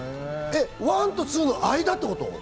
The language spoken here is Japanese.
１と２の間ってこと？